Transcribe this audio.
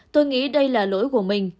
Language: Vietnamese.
tôi nghĩ đây là lỗi của mình